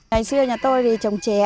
hồi xưa nhà tôi trồng trè